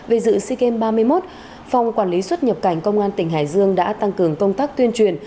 về dự sea games ba mươi một phòng quản lý xuất nhập cảnh công an tỉnh hải dương đã tăng cường công tác tuyên truyền